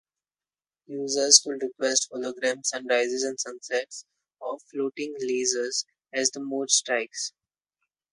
Users could request holograms, sunrises and sunsets, or floating lasers as the mood strikes.